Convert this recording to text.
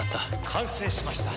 完成しました。